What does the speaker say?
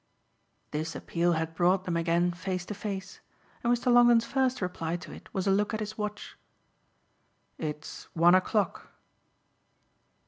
This appeal had brought them again face to face, and Mr. Longdon's first reply to it was a look at his watch. "It's one o'clock."